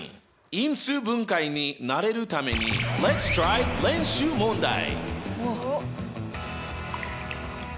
因数分解に慣れるためにＬｅｔ’ｓｔｒｙ練習問題！